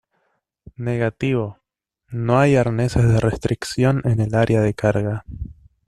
Negativo. No hay arneses de restricción en el área de carga .